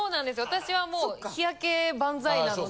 私はもう日焼け万歳なので。